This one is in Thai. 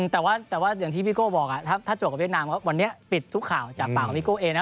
แต่ว่าอย่างที่พี่โก้บอกถ้าจวบกับเวียดนามวันนี้ปิดทุกข่าวจากปากของพี่โก้เองนะ